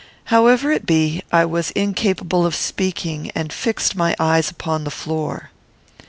However it be, I was incapable of speaking, and fixed my eyes upon the floor.